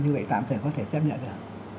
như vậy tạm thời có thể chấp nhận được